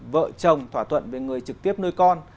vợ chồng thỏa thuận với người trực tiếp nuôi con